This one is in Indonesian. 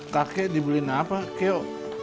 kakek dibeliin apa kyo